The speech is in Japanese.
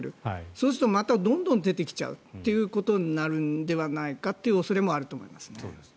そうするとどんどん出てきちゃうということになるのではないかという恐れもあると思いますね。